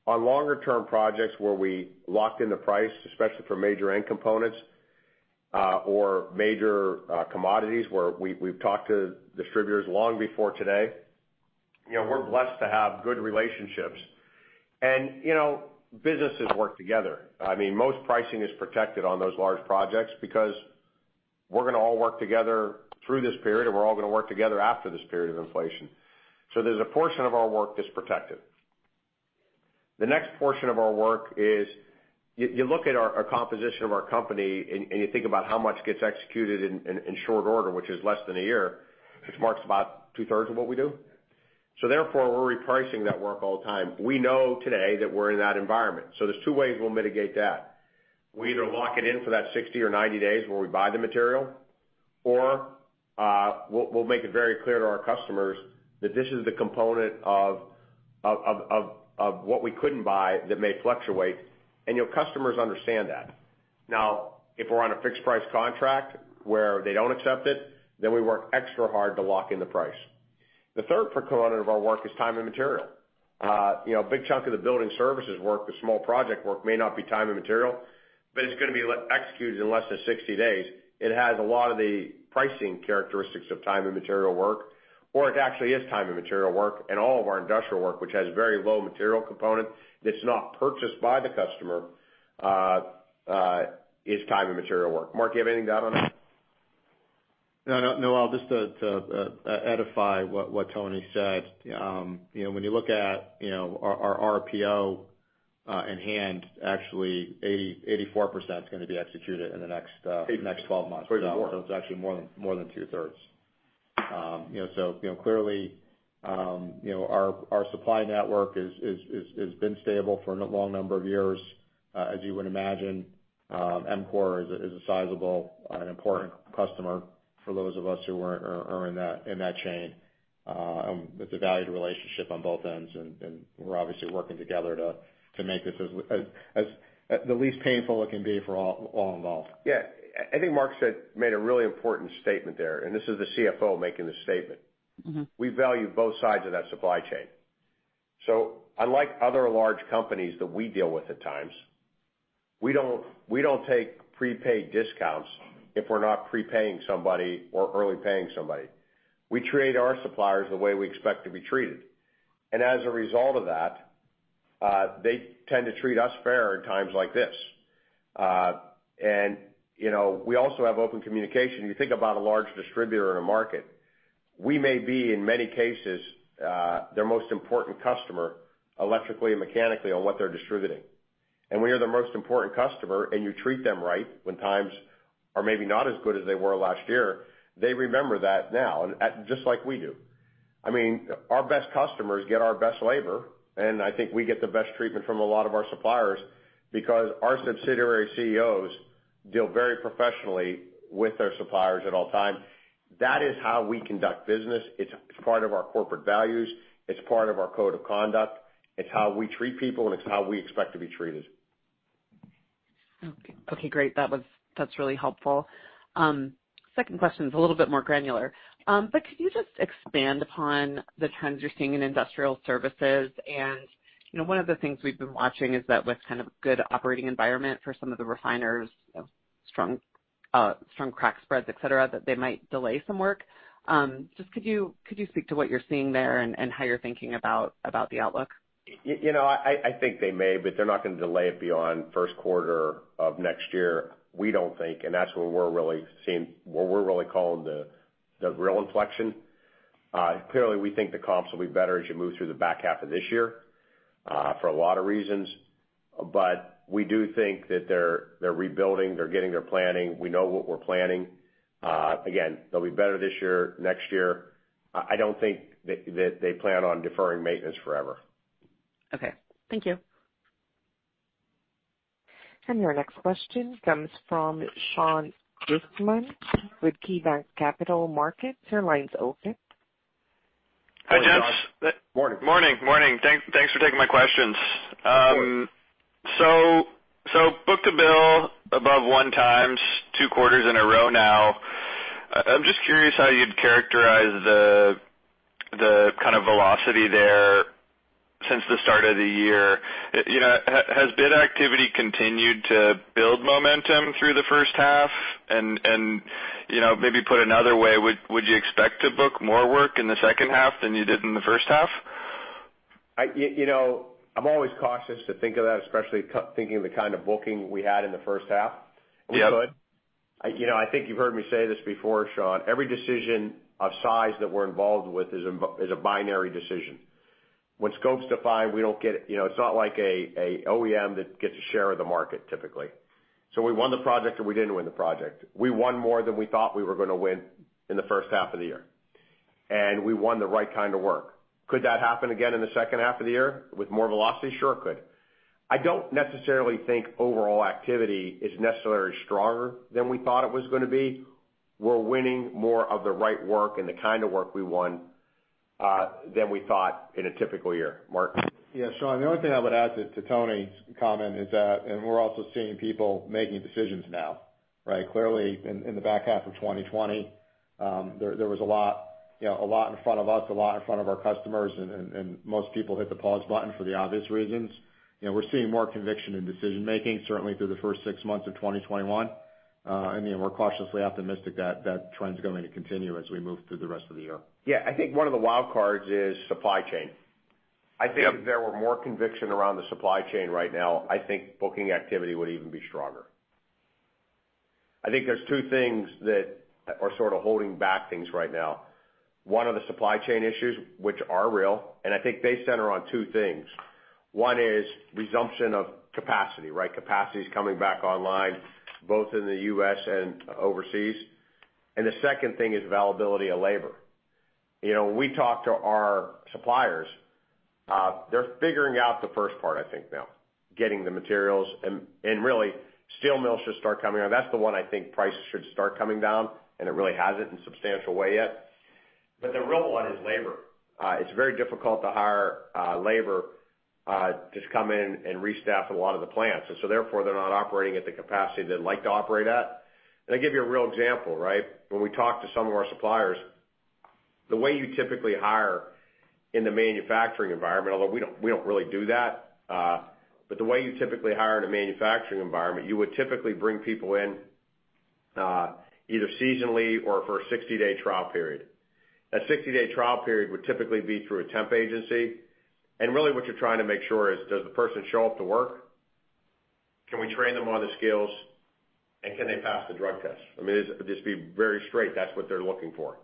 on longer term projects where we locked in the price, especially for major end components or major commodities, where we've talked to distributors long before today. We're blessed to have good relationships. Businesses work together. Most pricing is protected on those large projects because we're going to all work together through this period, and we're all going to work together after this period of inflation. So there's a portion of our work that's protected. The next portion of our work is, you look at our composition of our company, and you think about how much gets executed in short order, which is less than a year. It marks about 2/3 of what we do. Therefore, we're repricing that work all the time. We know today that we're in that environment. There's two ways we'll mitigate that. We either lock it in for that 60 or 90 days where we buy the material, or we'll make it very clear to our customers that this is the component of what we couldn't buy that may fluctuate, and your customers understand that. If we're on a fixed price contract where they don't accept it, then we work extra hard to lock in the price. The third component of our work is time and material. A big chunk of the building services work, the small project work, may not be time and material, but it's going to be executed in less than 60 days. It has a lot of the pricing characteristics of time and material work, or it actually is time and material work, and all of our industrial work, which has very low material component that's not purchased by the customer, is time and material work. Mark, you have anything to add on that? No, just to edify what Tony said. When you look at our RPO in hand, actually 84% is going to be executed in the next 12 months. 84. It's actually more than 2/3. Clearly our supply network has been stable for a long number of years as you would imagine. EMCOR is a sizable and important customer for those of us who are in that chain. It's a valued relationship on both ends, and we're obviously working together to make this the least painful it can be for all involved. Yeah. I think Mark made a really important statement there, and this is the CFO making the statement. We value both sides of that supply chain. Unlike other large companies that we deal with at times, we don't take prepaid discounts if we're not prepaying somebody or early paying somebody. We treat our suppliers the way we expect to be treated. As a result of that, they tend to treat us fair in times like this. We also have open communication. You think about a large distributor in a market. We may be, in many cases, their most important customer, electrically and mechanically, on what they're distributing. When you're their most important customer, and you treat them right when times are maybe not as good as they were last year, they remember that now, just like we do. Our best customers get our best labor, and I think we get the best treatment from a lot of our suppliers because our subsidiary CEOs deal very professionally with their suppliers at all times. That is how we conduct business. It's part of our corporate values. It's part of our code of conduct. It's how we treat people, and it's how we expect to be treated. Okay, great. That's really helpful. Second question is a little bit more granular. Could you just expand upon the trends you're seeing in industrial services? One of the things we've been watching is that with kind of good operating environment for some of the refiners, strong crack spreads, et cetera, that they might delay some work. Just could you speak to what you're seeing there and how you're thinking about the outlook? I think they may, but they're not going to delay it beyond first quarter of next year, we don't think, and that's where we're really calling the real inflection. Clearly, we think the comps will be better as you move through the back half of this year, for a lot of reasons. We do think that they're rebuilding, they're getting their planning. We know what we're planning. Again, they'll be better this year, next year. I don't think that they plan on deferring maintenance forever. Okay. Thank you. Your next question comes from Sean Eastman with KeyBanc Capital Markets. Your line's open. Hi, gents. Morning, Sean. Morning. Morning. Thanks for taking my questions. Of course. Book-to-bill above 1x two quarters in a row now. I'm just curious how you'd characterize the kind of velocity there since the start of the year. Has bid activity continued to build momentum through the first half? Maybe put another way, would you expect to book more work in the second half than you did in the first half? I'm always cautious to think of that, especially thinking of the kind of booking we had in the first half. Yep. We could. I think you've heard me say this before, Sean, every decision of size that we're involved with is a binary decision. When scopes define, it's not like a OEM that gets a share of the market, typically. We won the project, or we didn't win the project. We won more than we thought we were going to win in the first half of the year. We won the right kind of work. Could that happen again in the second half of the year with more velocity? Sure it could. I don't necessarily think overall activity is necessarily stronger than we thought it was going to be. We're winning more of the right work and the kind of work we won-than we thought in a typical year. Mark? Yeah, Sean, the only thing I would add to Tony's comment is that we're also seeing people making decisions now, right? Clearly in the back half of 2020, there was a lot in front of us, a lot in front of our customers, and most people hit the pause button for the obvious reasons. We're seeing more conviction in decision-making, certainly through the first six months of 2021. We're cautiously optimistic that trend's going to continue as we move through the rest of the year. Yeah. I think one of the wild cards is supply chain. I think if there were more conviction around the supply chain right now, I think booking activity would even be stronger. I think there's two things that are sort of holding back things right now. One are the supply chain issues, which are real, and I think they center on two things. One is resumption of capacity, right? Capacity's coming back online both in the U.S. and overseas. The second thing is availability of labor. When we talk to our suppliers, they're figuring out the first part, I think now. Getting the materials and really steel mills should start coming around. That's the one I think prices should start coming down, and it really hasn't in a substantial way yet. The real one is labor. It's very difficult to hire labor to come in and restaff a lot of the plants. Therefore, they're not operating at the capacity they'd like to operate at. I'll give you a real example, right? When we talk to some of our suppliers, the way you typically hire in the manufacturing environment, although we don't really do that. The way you typically hire in a manufacturing environment, you would typically bring people in, either seasonally or for a 60-day trial period. A 60-day trial period would typically be through a temp agency, and really what you're trying to make sure is, does the person show up to work? Can we train them on the skills? Can they pass the drug test? I mean, just to be very straight, that's what they're looking for.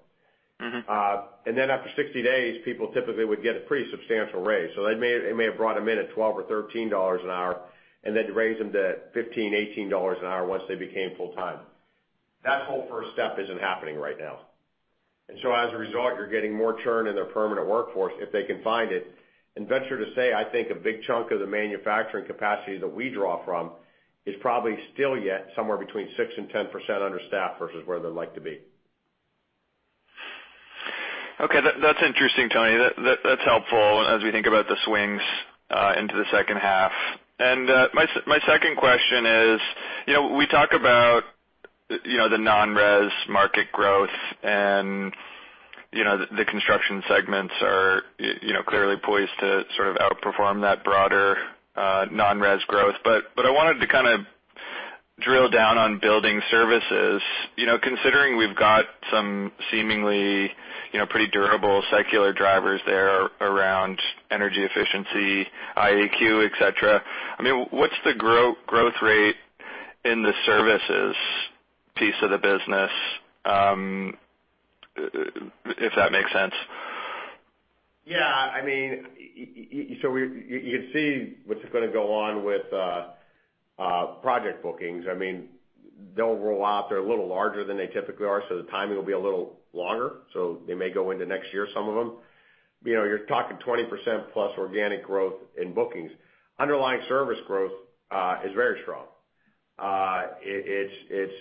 Then after 60 days, people typically would get a pretty substantial raise. So they may have brought them in at $12 or $13 an hour, then raise them to $15, $18 an hour once they became full-time. That whole first step isn't happening right now. As a result, you're getting more churn in their permanent workforce, if they can find it. Venture to say, I think a big chunk of the manufacturing capacity that we draw from is probably still yet somewhere between 6% and 10% understaffed versus where they'd like to be. Okay, that's interesting, Tony. That's helpful as we think about the swings into the second half. My second question is, we talk about the non-res market growth and the Construction segments are clearly poised to sort of outperform that broader non-res growth, but I wanted to kind of drill down on Building services. Considering we've got some seemingly pretty durable secular drivers there around energy efficiency, IAQ, et cetera, what's the growth rate in the services piece of the business? If that makes sense. You can see what's going to go on with project bookings. They'll roll out, they're a little larger than they typically are, so the timing will be a little longer, so they may go into next year, some of them. You're talking 20%+ organic growth in bookings. Underlying service growth is very strong. It's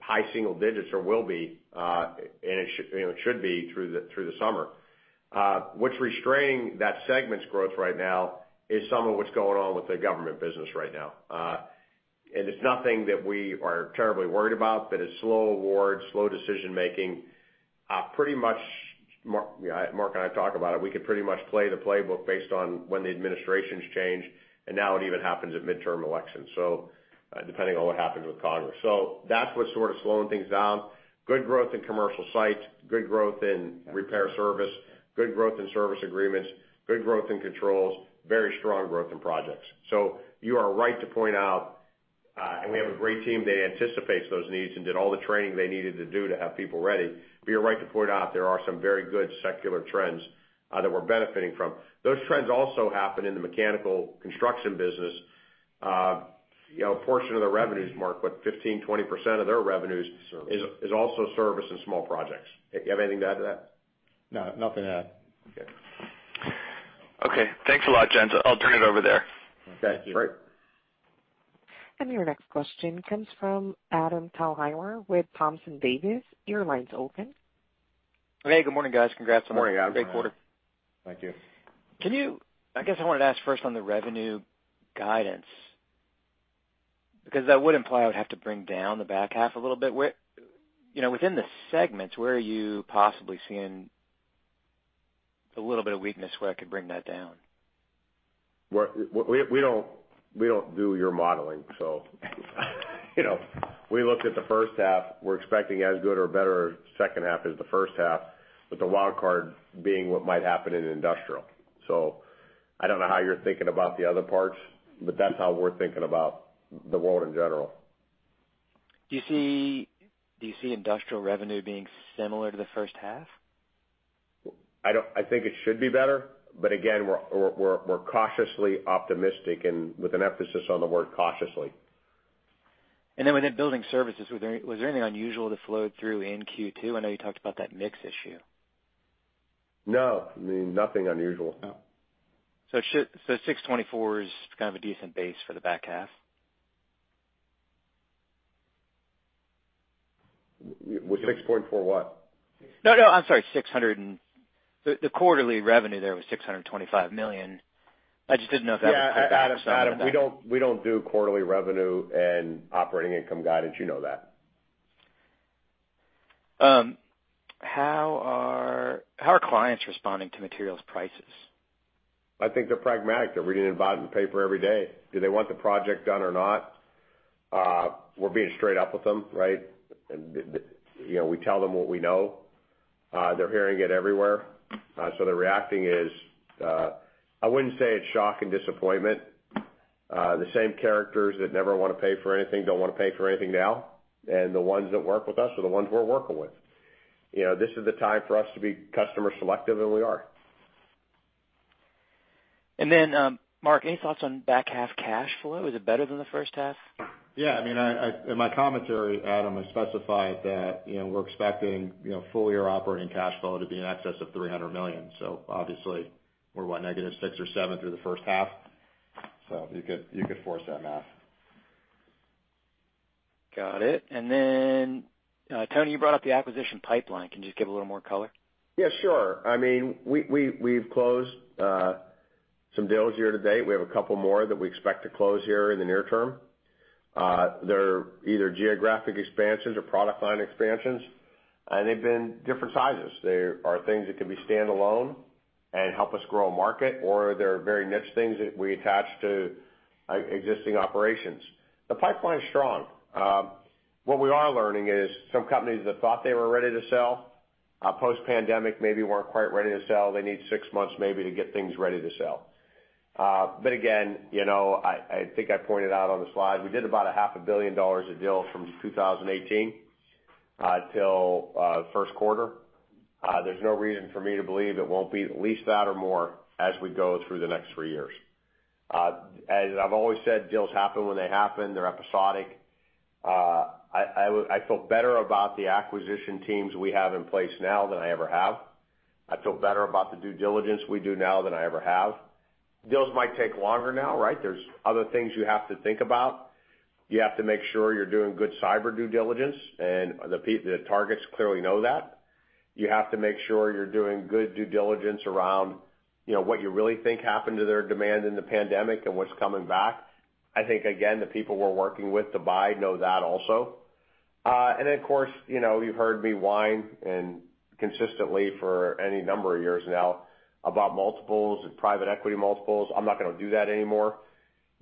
high single digits or will be, and it should be through the summer. What's restraining that segment's growth right now is some of what's going on with the government business right now. It's nothing that we are terribly worried about, but it's slow awards, slow decision-making. Mark and I talk about it. We could pretty much play the playbook based on when the administrations change, and now it even happens at midterm elections, depending on what happens with Congress. That's what's sort of slowing things down. Good growth in commercial sites, good growth in repair service, good growth in service agreements, good growth in controls, very strong growth in projects. You are right to point out, and we have a great team that anticipates those needs and did all the training they needed to do to have people ready. You're right to point out there are some very good secular trends that we're benefiting from. Those trends also happen in the mechanical construction business. A portion of the revenues, Mark, what 15%, 20% of their revenues? Service. Is also service and small projects. You have anything to add to that? No, nothing to add. Okay. Okay. Thanks a lot, gents. I'll turn it over there. Okay. Great. Thank you. Your next question comes from Adam Thalhimer with Thompson Davis. Your line's open. Hey, good morning, guys. Morning, Adam. Great quarter. Thank you. I guess I wanted to ask first on the revenue guidance, because that would imply I would have to bring down the back half a little bit. Within the segments, where are you possibly seeing a little bit of weakness where I could bring that down? We don't do your modeling, so we looked at the first half. We're expecting as good or better second half as the first half, with the wild card being what might happen in industrial. I don't know how you're thinking about the other parts, but that's how we're thinking about the world in general. Do you see industrial revenue being similar to the first half? I think it should be better. Again, we're cautiously optimistic and with an emphasis on the word cautiously. Within Building Services, was there anything unusual that flowed through in Q2? I know you talked about that mix issue. No. Nothing unusual. Oh. $624 is kind of a decent base for the back half? 6.4 what? No, I'm sorry. The quarterly revenue there was $625 million. Yeah. Adam, we don't do quarterly revenue and operating income guidance. You know that. How are clients responding to materials prices? I think they're pragmatic. They're reading "The Boston Globe" every day. Do they want the project done or not? We're being straight up with them, right? We tell them what we know. They're hearing it everywhere. Their reaction is, I wouldn't say it's shock and disappointment. The same characters that never want to pay for anything, don't want to pay for anything now. The ones that work with us are the ones we're working with. This is the time for us to be customer selective, and we are. Mark, any thoughts on back half cash flow? Is it better than the first half? Yeah. In my commentary, Adam, I specified that we're expecting full-year operating cash flow to be in excess of $300 million. Obviously we're, what,-6 or -7 through the first half. You could force that math. Got it. Tony Guzzi, you brought up the acquisition pipeline. Can you just give a little more color? Yeah, sure. We've closed some deals year to date. We have a couple of more that we expect to close here in the near term. They're either geographic expansions or product line expansions, and they've been different sizes. They are things that can be standalone and help us grow a market, or they're very niche things that we attach to existing operations. The pipeline's strong. What we are learning is some companies that thought they were ready to sell post-pandemic maybe weren't quite ready to sell. They need six months maybe to get things ready to sell. Again, I think I pointed out on the slide, we did about a half a billion dollars of deals from 2018 until first quarter. There's no reason for me to believe it won't be at least that or more as we go through the next three years. As I've always said, deals happen when they happen. They're episodic. I feel better about the acquisition teams we have in place now than I ever have. I feel better about the due diligence we do now than I ever have. Deals might take longer now, right? There's other things you have to think about. You have to make sure you're doing good cyber due diligence, and the targets clearly know that. You have to make sure you're doing good due diligence around what you really think happened to their demand in the pandemic and what's coming back. I think, again, the people we're working with to buy know that also. Of course, you've heard me whine and consistently for any number of years now about multiples and private equity multiples. I'm not going to do that anymore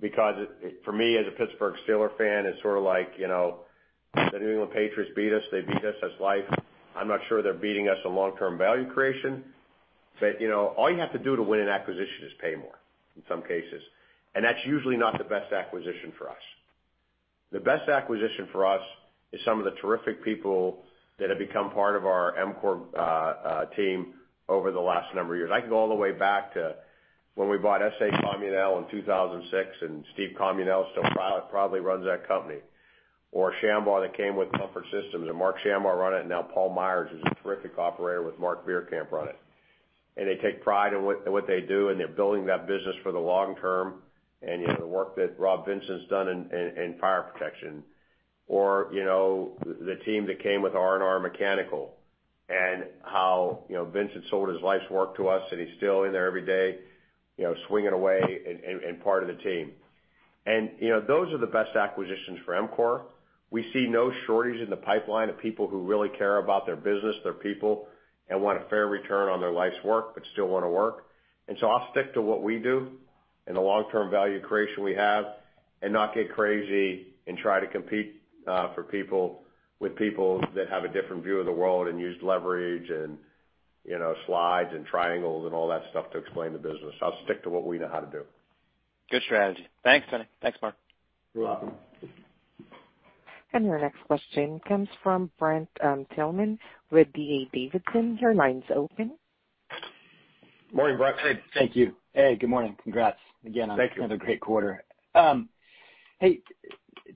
because for me, as a Pittsburgh Steelers fan, it's sort of like the New England Patriots beat us, they beat us, that's life. I'm not sure they're beating us on long-term value creation. All you have to do to win an acquisition is pay more in some cases. That's usually not the best acquisition for us. The best acquisition for us is some of the terrific people that have become part of our EMCOR team over the last number of years. I can go all the way back to when we bought S.A. Comunale in 2006, and Steve Comunale still proudly runs that company. Or Shambaugh that came with Comfort Systems, and Mark Shambaugh run it. Now Paul Meyers, who's a terrific operator with Mark Veerkamp on it. They take pride in what they do, and they're building that business for the long term. The work that Rob Vinson's done in fire protection. The team that came with R&R Mechanical and how Vincent sold his life's work to us, and he's still in there every day, swinging away and part of the team. Those are the best acquisitions for EMCOR. We see no shortage in the pipeline of people who really care about their business, their people, and want a fair return on their life's work, but still want to work. I'll stick to what we do and the long-term value creation we have and not get crazy and try to compete with people that have a different view of the world and use leverage and slides and triangles and all that stuff to explain the business. I'll stick to what we know how to do. Good strategy. Thanks, Tony. Thanks, Mark. You're welcome. Your next question comes from Brent Thielman with D.A. Davidson. Your line's open. Morning, Brent. Hey. Thank you. Hey, good morning. Congrats again. Thank you. Another great quarter. Hey,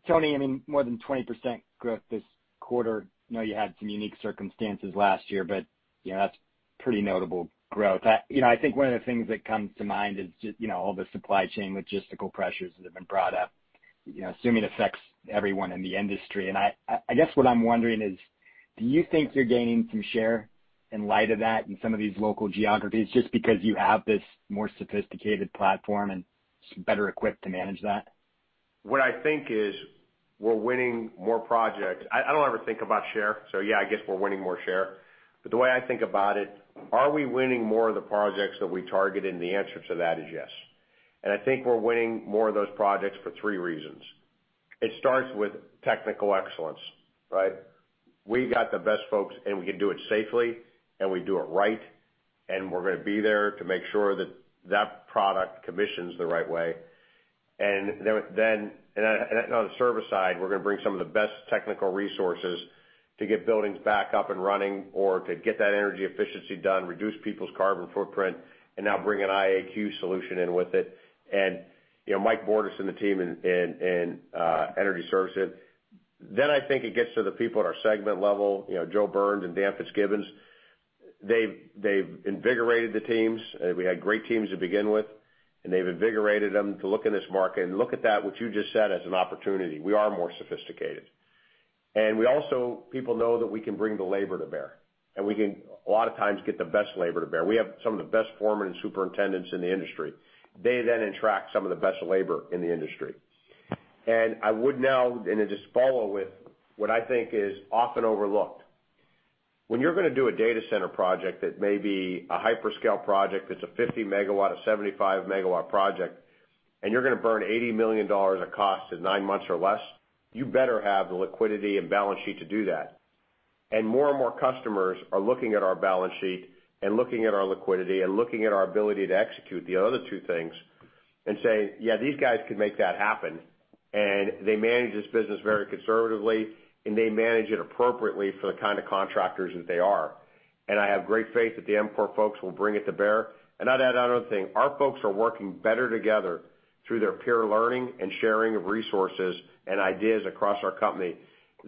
Tony, more than 20% growth this quarter. I know you had some unique circumstances last year, but that's pretty notable growth. I think one of the things that comes to mind is just all the supply chain logistical pressures that have been brought up, assuming it affects everyone in the industry. I guess what I'm wondering is, do you think you're gaining some share in light of that in some of these local geographies just because you have this more sophisticated platform and it's better equipped to manage that? What I think is we're winning more projects. I don't ever think about share. Yeah, I guess we're winning more share. The way I think about it, are we winning more of the projects that we targeted? The answer to that is yes. I think we're winning more of those projects for three reasons. It starts with technical excellence, right? We've got the best folks, and we can do it safely, and we do it right, and we're going to be there to make sure that that product commissions the right way. On the service side, we're going to bring some of the best technical resources to get buildings back up and running or to get that energy efficiency done, reduce people's carbon footprint, and now bring an IAQ solution in with it. Mike Bordes and the team in energy services. I think it gets to the people at our segment level, Joe Burns and Dan Fitzgibbons. They've invigorated the teams. We had great teams to begin with, and they've invigorated them to look in this market and look at that which you just said as an opportunity. We are more sophisticated. People know that we can bring the labor to bear, and we can, a lot of times, get the best labor to bear. We have some of the best foremen and superintendents in the industry. They attract some of the best labor in the industry. I would now, and to just follow with what I think is often overlooked. When you're going to do a data center project that may be a hyperscale project that's a 50 MW, a 75 MW project, and you're going to burn $80 million of cost in nine months or less, you better have the liquidity and balance sheet to do that. More and more customers are looking at our balance sheet and looking at our liquidity and looking at our ability to execute the other two things and say, "Yeah, these guys can make that happen." They manage this business very conservatively, and they manage it appropriately for the kind of contractors that they are. I have great faith that the EMCOR folks will bring it to bear. I'd add another thing. Our folks are working better together through their peer learning and sharing of resources and ideas across our company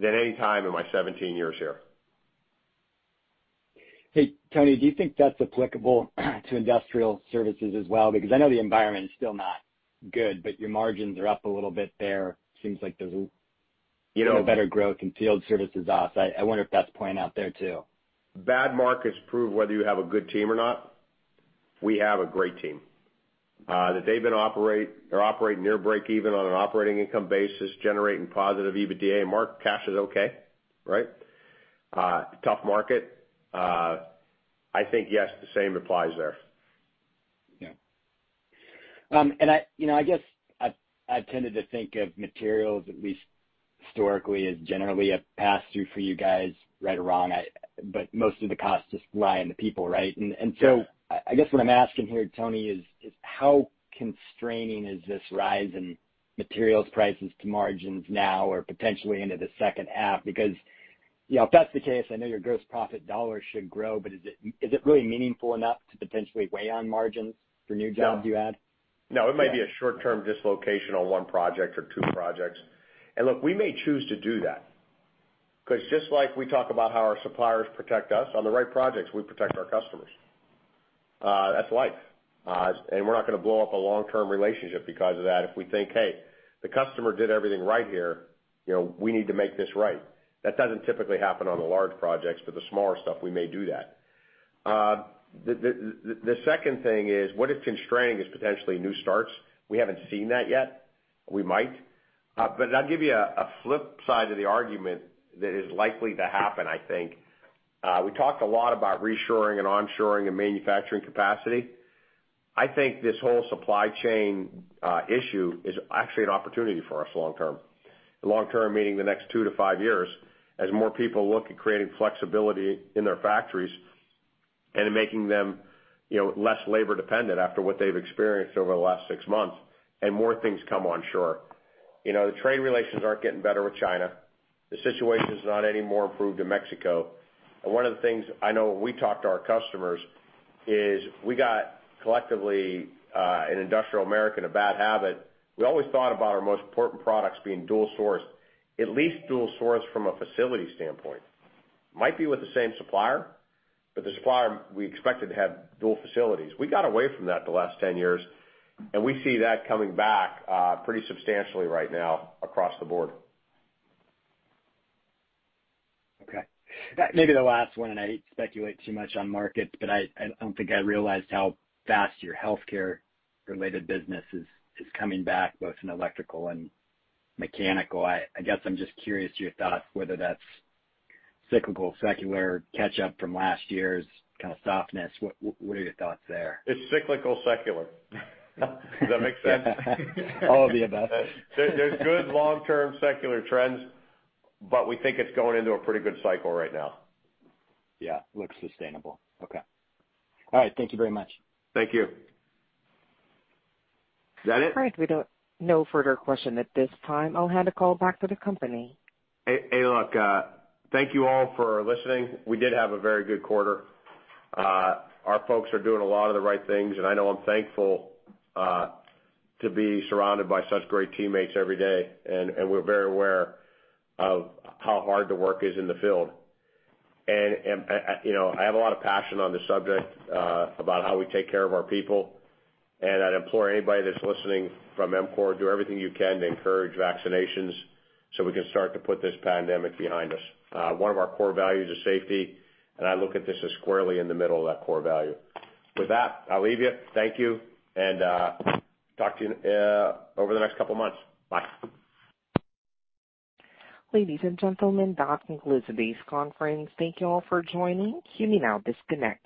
than any time in my 17 years here. Hey, Tony, do you think that's applicable to industrial services as well? I know the environment is still not good, but your margins are up a little bit there. You know better growth in field services ops. I wonder if that's playing out there, too. Bad markets prove whether you have a good team or not. We have a great team. They're operating near break-even on an operating income basis, generating positive EBITDA and Mark cash is okay, right? Tough market. I think, yes, the same applies there. I guess I've tended to think of materials, at least historically, as generally a pass-through for you guys, right or wrong, but most of the costs just lie in the people, right? Yeah. I guess what I'm asking here, Tony, is how constraining is this rise in materials prices to margins now or potentially into the second half? If that's the case, I know your gross profit dollars should grow, but is it really meaningful enough to potentially weigh on margins for new jobs you add? No. It might be a short-term dislocation on one project or two projects. Look, we may choose to do that because just like we talk about how our suppliers protect us, on the right projects, we protect our customers. That's life. We're not going to blow up a long-term relationship because of that if we think, "Hey, the customer did everything right here. We need to make this right." That doesn't typically happen on the large projects, but the smaller stuff, we may do that. The second thing is, what is constraining is potentially new starts. We haven't seen that yet. We might. I'll give you a flip side to the argument that is likely to happen, I think. We talked a lot about reshoring and onshoring and manufacturing capacity. I think this whole supply chain issue is actually an opportunity for us long term. Long term meaning the next two to five years, as more people look at creating flexibility in their factories and in making them less labor dependent after what they've experienced over the last six months and more things come onshore. The trade relations aren't getting better with China. The situation is not any more improved in Mexico. One of the things I know when we talk to our customers is we got, collectively, in industrial America, in a bad habit. We always thought about our most important products being dual-sourced, at least dual-sourced from a facility standpoint. Might be with the same supplier, but the supplier we expected to have dual facilities. We got away from that the last 10 years, and we see that coming back pretty substantially right now across the board. Okay. Maybe the last one, and I hate to speculate too much on markets, but I don't think I realized how fast your healthcare related business is coming back, both in electrical and mechanical. I guess I'm just curious to your thoughts, whether that's cyclical, secular catch-up from last year's kind of softness. What are your thoughts there? It's cyclical secular. Does that make sense? All of the above. There's good long-term secular trends, but we think it's going into a pretty good cycle right now. Yeah. Looks sustainable. Okay. All right. Thank you very much. Thank you. Is that it? Great. No further question at this time. I'll hand the call back to the company. Hey, look, thank you all for listening. We did have a very good quarter. Our folks are doing a lot of the right things. I know I'm thankful to be surrounded by such great teammates every day. We're very aware of how hard the work is in the field. I have a lot of passion on the subject about how we take care of our people. I'd implore anybody that's listening from EMCOR, do everything you can to encourage vaccinations so we can start to put this pandemic behind us. One of our core values is safety. I look at this as squarely in the middle of that core value. With that, I'll leave you. Thank you. Talk to you over the next couple of months. Bye. Ladies and gentlemen, that concludes today's conference. Thank you all for joining. You may now disconnect.